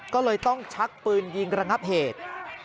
ก็เลยต้องชักปืนยิงระงับเหตุ